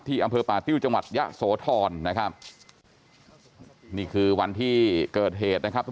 ที่อัมเภอปะติ้วจังหวัดยะโสธรนะครับ